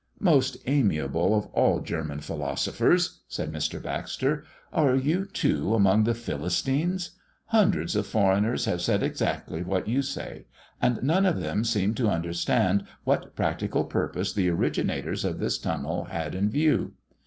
"Most amiable of all German philosophers," said Mr. Baxter, "are you, too, among the Philistines? Hundreds of foreigners have said exactly what you say; and none of them seem to understand what practical purpose the originators of this tunnel had in view."